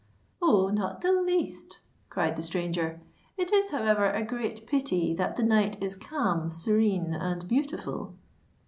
"Oh! not the least!" cried the stranger. "It is however a great pity that the night is calm, serene, and beautiful."